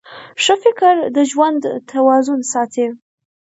ښه فکر د ژوند توازن ساتي.